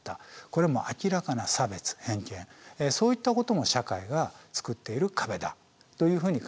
これは明らかな差別偏見そういったことも社会が作っている壁だというふうに考えることができます。